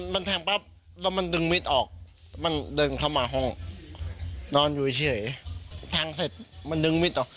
มันแทงปั๊บแล้วมันดึงมิดออกมันดึงเข้ามาห้องนอนอยู่เฉยแทงเสร็จมันดึงมิดออก